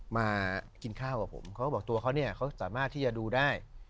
มากินข้าวกับผมเขาก็บอกตัวเขาเนี่ยเขาสามารถที่จะดูได้